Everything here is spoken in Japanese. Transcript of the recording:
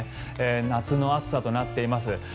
夏の暑さとなっています。